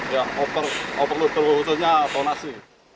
ya overload overload khususnya tonasi